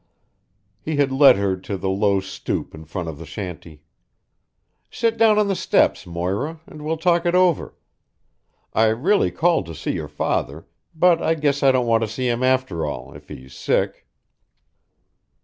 He had led her to the low stoop in front of the shanty. "Sit down on the steps, Moira, and we'll talk it over. I really called to see your father, but I guess I don't want to see him after all if he's sick."